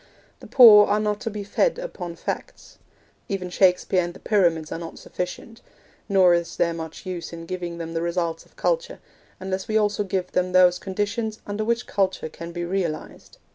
The poor are not to be fed upon facts. Even Shakespeare and the Pyramids are not sufficient; nor is there much use in giving them the results of culture, unless we also give them those conditions under which culture can be realised.